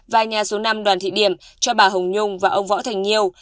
và nhà số năm đoàn thị điểm cho bà hồng nhung và ông võ thành nhiều